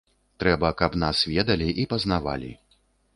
Трэба, каб нас ведалі і пазнавалі.